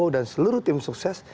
dan seluruh tim sukses